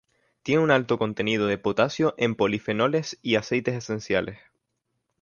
Tiene un alto contenido de potasio en polifenoles y aceites esenciales.